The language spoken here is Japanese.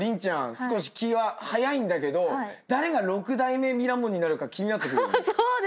少し気は早いんだけど誰が六代目ミラモンになるか気になってくるよね。